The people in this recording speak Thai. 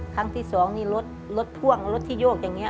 ครั้งที่สองนี่รถรถพ่วงรถที่โยกอย่างนี้